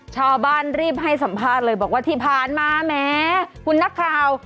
ชาวบ้านรีบให้สัมภาษณ์เลยบอกว่าที่ผ่านมาแหมคุณนักข่าว